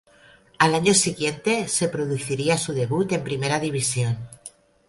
Al año siguiente se produciría su debut en Primera División.